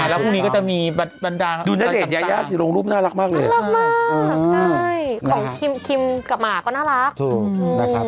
วันนี้แหละคือเค้าจะติดประโยชน์กันคืนนี้